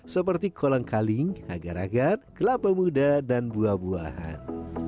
seperti kolang kaling agar agar kelapa muda dan buah buahan